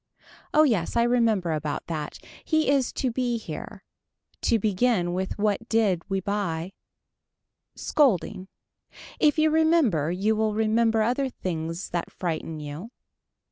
Oh yes I remember about that. He is to be here. To begin with what did we buy. Scolding. If you remember you will remember other things that frighten you.